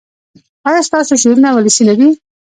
ایا ستاسو شعرونه ولسي نه دي؟